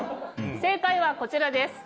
正解はこちらです。